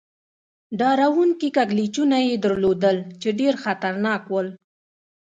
ډار و ر و نکي کږلېچونه يې درلودل، چې ډېر خطرناک ول.